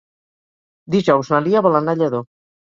Dijous na Lia vol anar a Lladó.